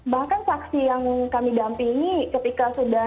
bahkan saksi yang kami gampingi ketika sudah ditutup ya sudah